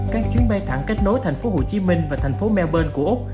các chuyến bay thẳng kết nối tp hcm và tp melbourne của úc